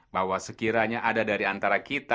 bahwa sekiranya ada dari antara kita